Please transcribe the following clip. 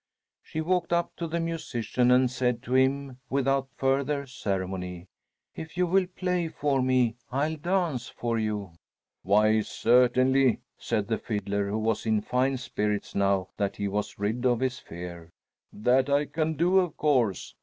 She walked up to the musician and said to him without further ceremony, "If you will play for me, I'll dance for you." "Why, certainly," said the fiddler, who was in fine spirits now that he was rid of his fear. "That I can do, of course.